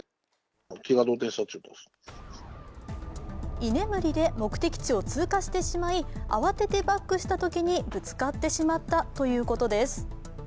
居眠りで目的地を通過してしまい、慌ててバックしたときにぶつかってしまったということです。